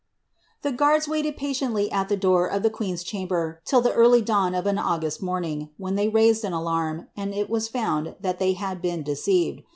The guards wailed patiently at the door of ihe queen's chamber till the early dawn of an August morning, when they raised an alarm, and it was found that they had been deceived.